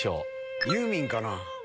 ユーミンかな？